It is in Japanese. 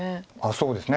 そうですね。